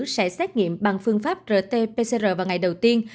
sẽ xét nghiệm bằng phương pháp rt pcr vào ngày đầu tiên